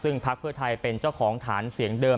ซึ่งพักเพื่อไทยเป็นเจ้าของฐานเสียงเดิม